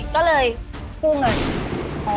ก็เลยกู้เงิน